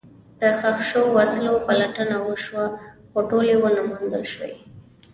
د ښخ شوو وسلو پلټنه وشوه، خو ټولې ونه موندل شوې.